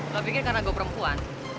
gak pikir karena gue perempuan